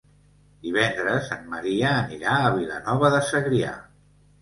Divendres en Maria anirà a Vilanova de Segrià.